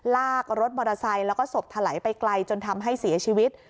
ลากรถมอเตอร์ไซค์แล้วก็ศพถลายไปไกลจนทำให้เสียชีวิต